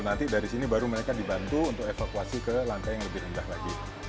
nanti dari sini baru mereka dibantu untuk evakuasi ke lantai yang lebih rendah lagi